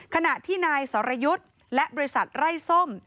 ขณะที่นายสรยุทธ์และบริษัทไร้ส้ม